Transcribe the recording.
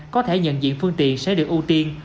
có thể nhận diện phương tiện sẽ được ưu tiên